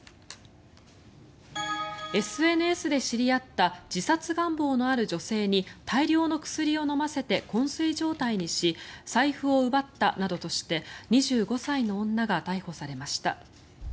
ＳＮＳで知り合った自殺願望のある女性に大量の薬を飲ませてこん睡状態にし財布を奪ったなどとして２５歳の女が逮捕されました。